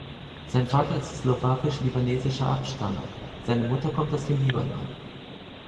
Sein Vater ist slowakisch-libanesischer Abstammung, seine Mutter kommt aus dem Libanon.